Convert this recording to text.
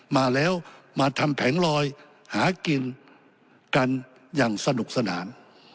มาแล้วมาทำแผงลอยหากินกันอย่างสนุกสนาน